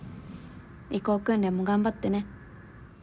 移行訓練も頑張ってね。